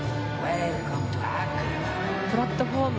プラットフォーム。